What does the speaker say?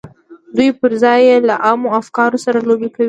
دوی پر ځای یې له عامو افکارو سره لوبې کوي